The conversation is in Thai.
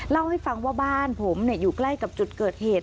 เล่าให้ฟังว่าบ้านผมอยู่ใกล้กับจุดเกิดเหตุ